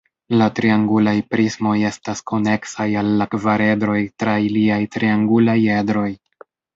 La triangulaj prismoj estas koneksaj al la kvaredroj tra iliaj triangulaj edroj.